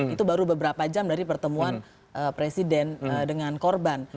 itu baru beberapa jam dari pertemuan presiden dengan korban